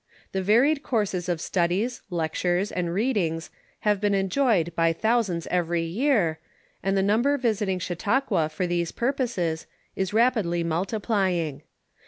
The varied courses of studies, lectures, and read ings have been enjoyed by thousands every year, and the number visiting Chautauqua for these purposes is rapidly mul tiplying.